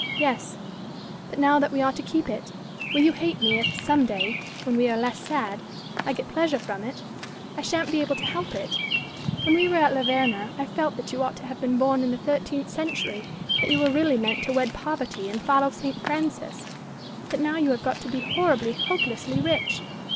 "Yes. But now that we are to keep it, will you hate me if, some day when we are less sad I get pleasure from it? I sha'n't be able to help it. When we were at La Verna, I felt that you ought to have been born in the thirteenth century, that you were really meant to wed poverty and follow St. Francis. But now you have got to be horribly, hopelessly rich.